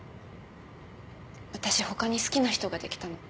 私他に好きな人が出来たの。